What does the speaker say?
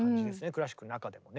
クラシックの中でもね。